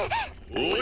おい！